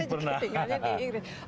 karena saya tinggalnya di inggris